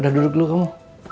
udah duduk dulu kamu